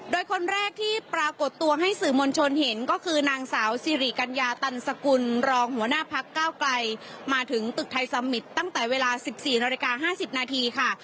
โดยคนแรกที่ปรากฏตัวให้สื่อมวลชนเห็นก็คือนางสาวสิริกัญญาตันสกุลรองหัวหน้าพักก้าวไกลมาถึงตึกไทยสมิตรตั้งแต่เวลา๑๔นาฬิกา๕๐นาทีค่ะ